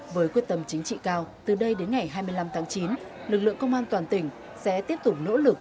với quyết tâm chính trị cao từ đây đến ngày hai mươi năm tháng chín lực lượng công an toàn tỉnh sẽ tiếp tục nỗ lực